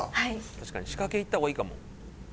確かに仕掛けいった方がいいかも。